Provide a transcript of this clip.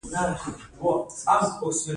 چاه اب سرو زرو کان لري؟